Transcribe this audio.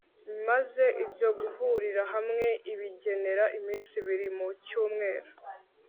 maze ibyo guhurira hamwe ibigenera iminsi ibiri mu cyumweru